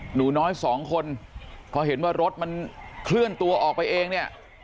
หนูน้อยสองคนพอเห็นว่ารถมันเคลื่อนตัวออกไปเองเนี่ย